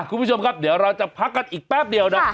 คุณผู้ชมครับเดี๋ยวเราจะพักกันอีกแป๊บเดียวเนาะ